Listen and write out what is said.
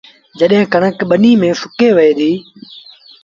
جڏهيݩ ڪڻڪ ٻنيٚ ميݩ سُڪي وهي ديٚ